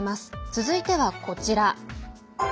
続いてはこちら。